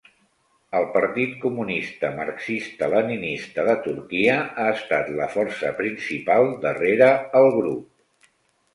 El Partit Comunista Marxista–Leninista de Turquia ha estat la força principal darrere el grup.